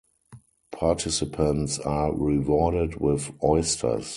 Participants are rewarded with oysters.